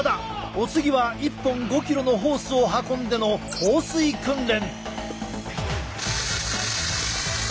お次は１本５ｋｇのホースを運んでの放水訓練。